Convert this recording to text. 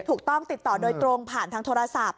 ถูกต้องติดต่อโดยตรงผ่านทางโทรศัพท์